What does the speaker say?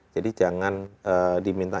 jadi jangan diminta